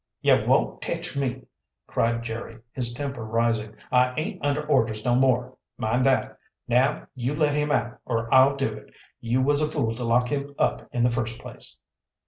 "Ye won't tech me!" cried Jerry, his temper rising. "I aint under orders no more, mind that. Now you let him out, or I'll do it. You was a fool to lock him up in the first place."